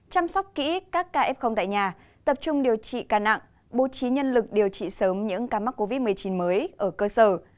chăm sóc kỹ các ca f tại nhà tập trung điều trị ca nặng bố trí nhân lực điều trị sớm những ca mắc covid một mươi chín mới ở cơ sở